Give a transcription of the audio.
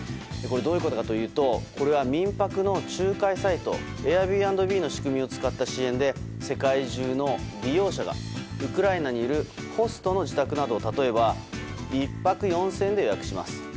どういうことかというとこれは民泊の仲介サイトＡｉｒｂｎｂの仕組みを使った支援で世界中の利用者がウクライナにいるホストの自宅など例えば１泊４０００円で予約します。